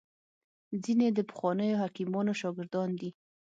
ځیني د پخوانیو حکیمانو شاګردان دي